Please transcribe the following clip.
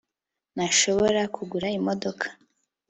ntashobora kugura imodoka